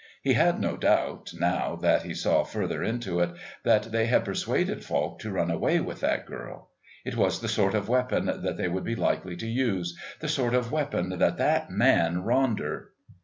He had no doubt, now that he saw farther into it, that they had persuaded Falk to run away with that girl. It was the sort of weapon that they would be likely to use, the sort of weapon that that man, Ronder....